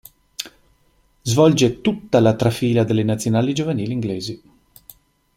Svolge tutta la trafila delle nazionali giovanili inglesi.